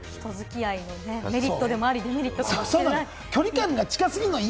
人付き合いのメリットでもあり、デメリットでもある。